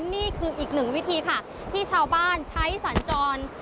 นี่คืออีกหนึ่งวิธีค่ะที่ชาวบ้านใช้สัญจร